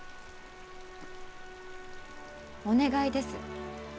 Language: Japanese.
お願いです。